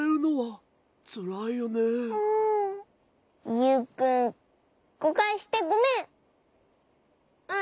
ユウくんごかいしてごめん！